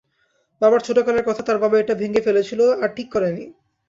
বাবার ছোটকালের কথা, তার বাবা এটা ভেঙ্গে ফেলেছিল, আর ঠিক করেনি।